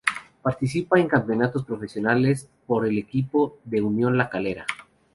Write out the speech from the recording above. Participa en campeonatos profesionales por el equipo de Unión La Calera.